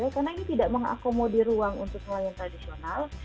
karena ini tidak mengakomodi ruang untuk nelayan tradisional